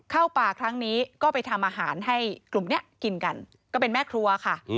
เข้าป่าครั้งนี้ก็ไปทำอาหารให้กลุ่มนี้กินกันก็เป็นแม่ครัวค่ะ